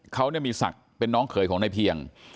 เขามีศักดิ์เป็นน้องเขยของนายเพียง